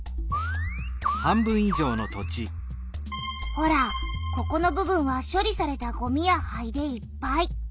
ほらここの部分は処理されたごみや灰でいっぱい。